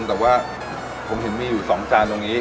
แต่ว่าผมเห็นมีอยู่๒จานตรงนี้